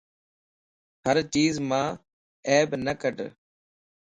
ھر چيز مان عيب نه ڪڍ